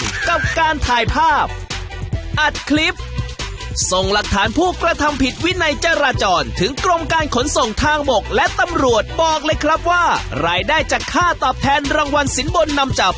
กับการถ่ายภาพอัดคลิปส่งหลักฐานผู้กระทำผิดวินัยจราจรถึงกรมการขนส่งทางบกและตำรวจบอกเลยครับว่ารายได้จากค่าตอบแทนรางวัลสินบนนำจับ